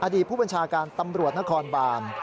อดีต์ผู้บรรชาการตำรวจนครบาล